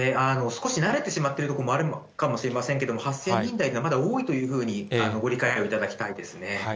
少し慣れてしまっているところもあるのかもしれませんけど、８０００人台がまだ多いというふうにご理解をいただきたいですね。